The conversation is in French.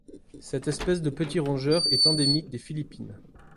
Cette espèce de petit rongeur est endémique des Philippines.